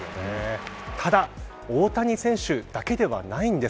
ただ大谷選手だけではないんです。